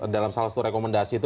dalam salah satu rekomendasi itu